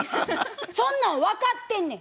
そんなん分かってんねん。